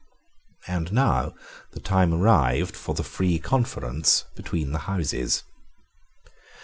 And now the time arrived for the free conference between the Houses.